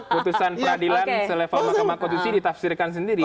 putusan peradilan selevel mahkamah konstitusi ditafsirkan sendiri